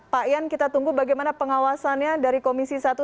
pak ian kita tunggu bagaimana pengawasannya dari komisi satu